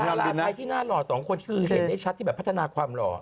ดาราไทยที่น่าหล่อสองคนคือเห็นได้ชัดที่แบบพัฒนาความหล่อ